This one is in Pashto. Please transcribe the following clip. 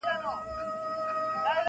پر سر وا مي ړوه یو مي سه تر سونډو-